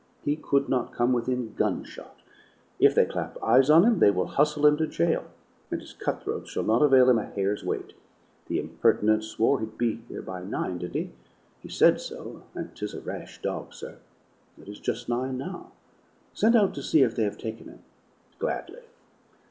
He could not come within gunshot. If they clap eyes on him, they will hustle him to jail, and his cutthroats shall not avail him a hair's weight. The impertinent swore he'd be here by nine, did he?" "He said so; and 'tis a rash dog, sir." "It is just nine now." "Send out to see if they have taken him." "Gladly."